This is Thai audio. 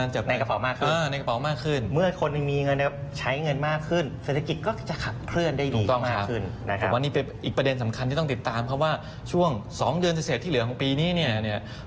ใช่ต้องครับอีกประเด็นที่ต้องติดตามเพราะว่าช่วง๒เดือนเศษที่เหลือของปีนี้